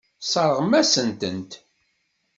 Tesseṛɣem-aɣ-tent.